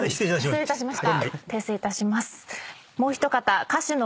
訂正いたします。